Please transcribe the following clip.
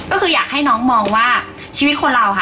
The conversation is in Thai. ก็คืออยากให้น้องมองว่าชีวิตคนเราค่ะ